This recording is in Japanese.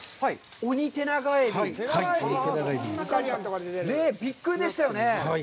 オニテナガエビ、びっくりでしたよね。